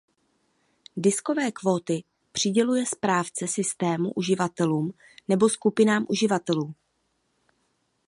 Diskové kvóty přiděluje správce systému uživatelům nebo skupinám uživatelů.